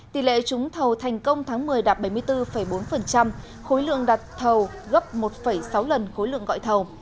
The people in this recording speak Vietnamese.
tỷ lệ trúng thầu thành công tháng một mươi đạt bảy mươi bốn bốn khối lượng đặt thầu gấp một sáu lần khối lượng gọi thầu